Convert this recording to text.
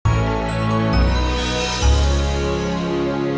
kalau begitu ibu putri akan melahirkan